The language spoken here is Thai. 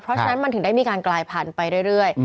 เพราะฉะนั้นมันถึงได้มีการกลายพันธุ์ไปเรื่อย